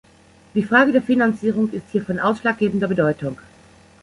Die Frage der Finanzierung ist hier von ausschlaggebender Bedeutung.